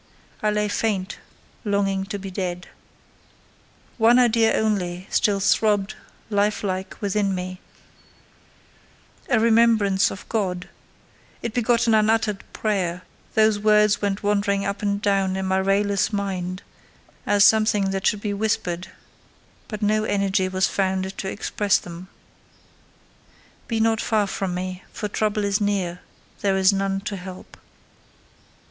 I lay faint, longing to be dead. One idea only still throbbed life like within me—a remembrance of God: it begot an unuttered prayer: these words went wandering up and down in my rayless mind, as something that should be whispered, but no energy was found to express them— "Be not far from me, for trouble is near: there is none to help."